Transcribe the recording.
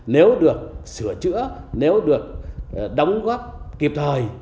nếu được sửa chữa nếu được đóng góp kịp thời